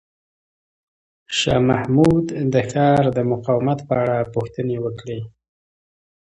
شاه محمود د ښار د مقاومت په اړه پوښتنې وکړې.